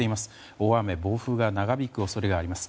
大雨、暴風が長引く恐れがあります。